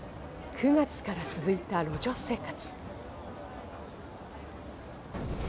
９月から続いた路上生活。